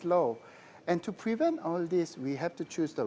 dan untuk mengelakkan semua ini